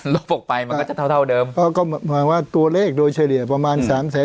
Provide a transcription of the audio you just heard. ลบไปมันก็จะเท่าเดิมก็หมายความว่าตัวเลขโดยเฉลี่ยประมาณ๓๗๐๐๐๐๓๘๐๐๐๐